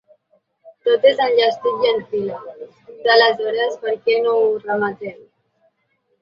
Tot és enllestit i en fila… Però aleshores per què no ho rematem?